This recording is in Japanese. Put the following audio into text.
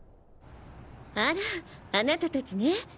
あらあなた達ね。